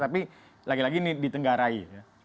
tapi lagi lagi ini ditenggarai